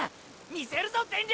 見せるぞ全力！